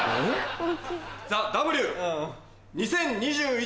『ＴＨＥＷ２０２１』。